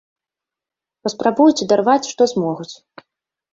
Паспрабуюць адарваць, што змогуць.